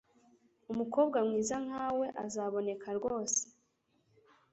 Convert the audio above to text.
Umukobwa mwiza nkawe azaboneka rwose.